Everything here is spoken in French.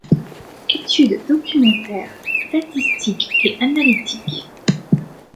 Étude documentaire, statistique et analytique.